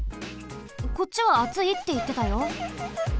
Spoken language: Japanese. こっちはあついっていってたよ。